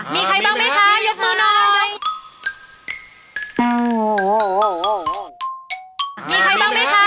มีใครบ้างไหมคะ